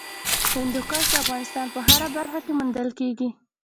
هندوکش د افغانستان په هره برخه کې موندل کېږي.